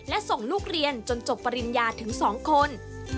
และส่งลูกเรียนจนจบปริญญาถึง๒คน